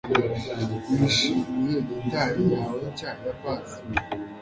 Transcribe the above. Wishimiye gitari yawe nshya ya bass